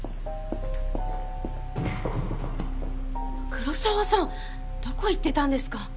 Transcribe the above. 黒澤さんどこ行ってたんですか？